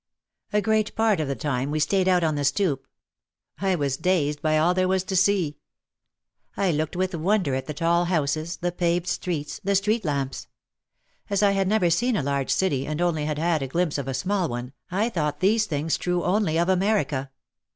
A great part of the time we stayed out on the stoop. I was dazed by all there was to see. I looked with won der at the tall houses, the paved streets, the street lamps. As I had never seen a large city and only had had a glimpse of a small one, I thought these things true only of America.